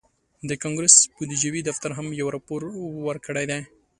د کانګرس بودیجوي دفتر هم یو راپور ورکړی دی